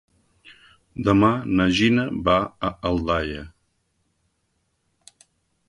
Demà na Gina va a Aldaia.